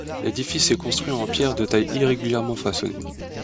L'édifice est construit en pierres de taile irrégulièrement façonnées.